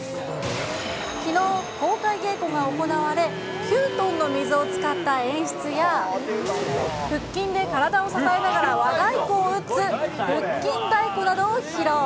きのう、公開稽古が行われ、９トンの水を使った演出や、腹筋で体を支えながら和太鼓を打つ腹筋太鼓などを披露。